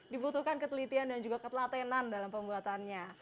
dibutuhkan ketelitian dan juga ketelatenan dalam pembuatannya